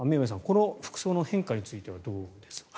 この服装の変化についてはどうですか？